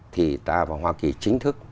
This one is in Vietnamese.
thì ta vào hoa kỳ chính thức